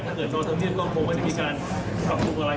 ถ้าเกิดตอนที่นี่ก็คงไม่ได้มีการปรับภูมิกับอะไร